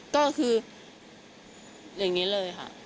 ก็คืออย่างนี้เลยค่ะ